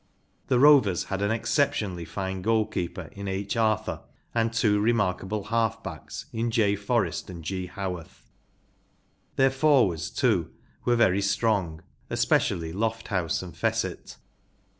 The Rovers had an exceptionally fine goal keeper in H. Arthur and two remarkable half¬ backs in J. Forest and G, Howarth* Their forwards, too, were very strong, especially Lofthouse and Fecitt.